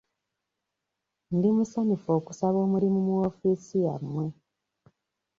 Ndi musanyufu okusaba omulimu mu woofiisi yammwe.